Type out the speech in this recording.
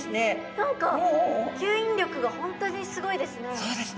何か吸引力が本当にすごいですね。